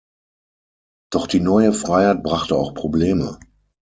Doch die neue Freiheit brachte auch Probleme.